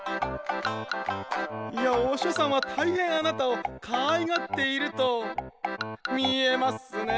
「御師匠さんは大変あなたを可愛がっていると見えますね」